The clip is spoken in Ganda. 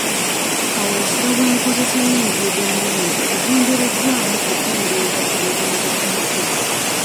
Kaweefube w'enkozesa y'enguudo ennungi agendereddwamu kukendeeza ku bubenje ku makubo.